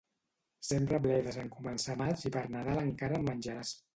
Sembra bledes en començar maig i per Nadal encara en menjaràs.